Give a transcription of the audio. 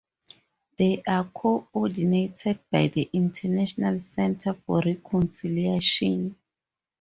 They are co-ordinated by the International Centre for Reconciliation.